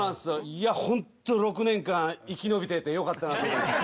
いや本当６年間生き延びててよかったなと思います。